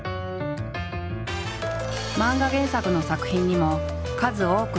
漫画原作の作品にも数多く出演。